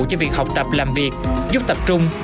cho việc học tập làm việc giúp tập trung